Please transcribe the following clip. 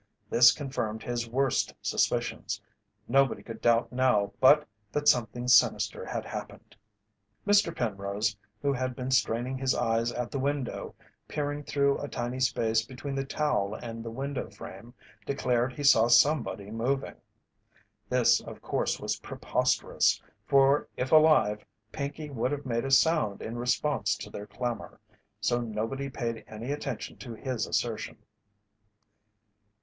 This confirmed his worst suspicions. Nobody could doubt now but that something sinister had happened. Mr. Penrose, who had been straining his eyes at the window, peering through a tiny space between the towel and the window frame, declared he saw somebody moving. This, of course, was preposterous, for if alive Pinkey would have made a sound in response to their clamour, so nobody paid any attention to his assertion.